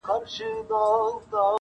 خو د کلي اصلي درد څوک نه سي ليدلای,